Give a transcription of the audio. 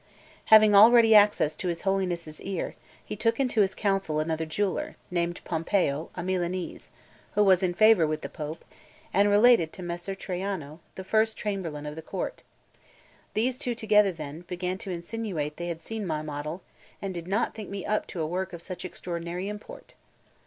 Having already access to his Holiness' ear, he took into his counsel another jeweller, named Pompeo, a Milanese, who was in favour with the Pope, and related to Messer Traiano, the first chamberlain of the court; these two together, then, began to insinuate that they had seen my model, and did not think me up to a work of such extraordinary import.